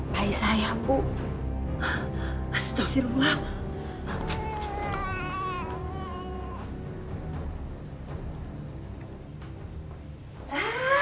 baik saya bu astagfirullah